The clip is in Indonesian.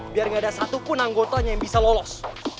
biar gak ada satu pun anggotanya yang bisa lolos